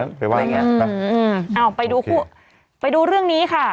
เดี๋ยวไปว่าเอาไปดูไปดูเรื่องนี้ค่ะ